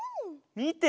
みて！